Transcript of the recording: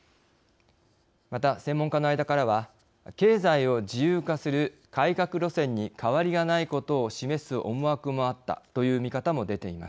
また専門家の間からは経済を自由化する改革路線に変わりがないことを示す思惑もあったという見方も出ています。